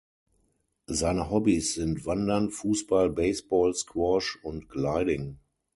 Seine Hobbys sind Wandern, Fußball, Baseball, Squash und Gliding.